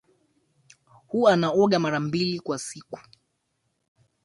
Huwa naoga mara mbili kwa siku